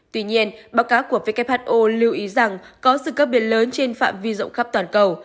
tuy nhiên báo cáo của who lưu ý rằng có sự cấp biển lớn trên phạm vi rộng khắp toàn cầu